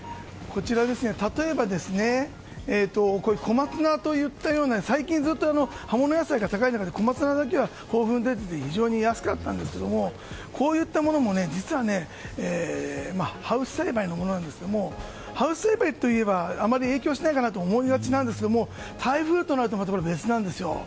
例えば、コマツナといったような最近ずっと葉物野菜が高い中でコマツナだけは非常に安かったんですけどこういったものも実はハウス栽培のものなんですがハウス栽培といえばあまり影響しないかなと思いがちなんですけれども台風となると別なんですよ。